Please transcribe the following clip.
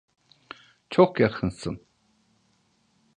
Çok yakınsın.